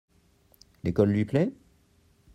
L’école lui plait ?